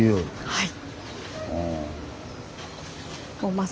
はい。